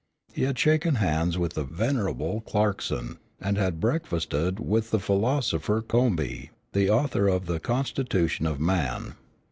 He had shaken hands with the venerable Clarkson, and had breakfasted with the philosopher Combe, the author of The Constitution of Man.